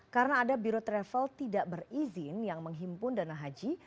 karena ada biro travel tidak berizin yang menghimpun dana haji